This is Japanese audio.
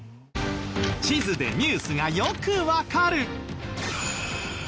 地図でニュースがよくわかる！